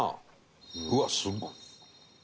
うわっすごっ。